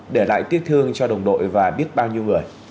để lại tiếc thương cho đồng đội và biết bao nhiêu người